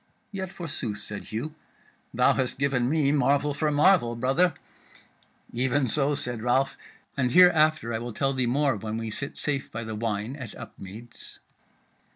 "Yet forsooth," said Hugh, "thou hast given me marvel for marvel, brother." "Even so," said Ralph, "and hereafter I will tell thee more when we sit safe by the wine at Upmeads."